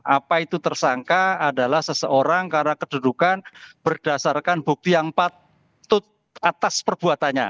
apa itu tersangka adalah seseorang karena kedudukan berdasarkan bukti yang patut atas perbuatannya